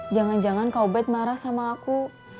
jangan jangan kau bed marah sama aku